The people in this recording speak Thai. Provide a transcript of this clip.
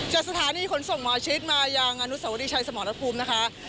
จากสถานีขนส่งหมอชิดมายังอนุสวรีชัยสมรภูมินะคะ